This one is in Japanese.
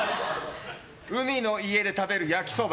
海の家で食べる焼きそば。